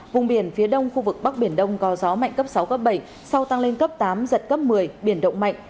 vùng biển phía đông khu vực bắc biển đông có gió mạnh cấp sáu cấp bảy sau tăng lên cấp tám giật cấp một mươi biển động mạnh